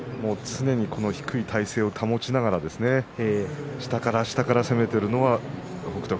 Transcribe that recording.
常に低い体勢を保ちながら下から下から攻めているのが北勝